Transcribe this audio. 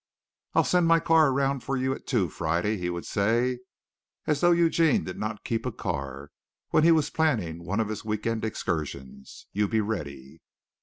"I'll send my car around for you at two Friday," he would say, as though Eugene did not keep a car, when he was planning one of his week end excursions. "You be ready."